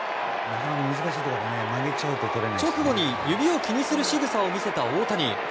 直後に、指を気にするしぐさを見せた大谷。